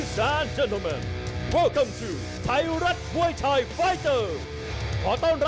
ไทยรัฐปวยไทยไฟเตอร์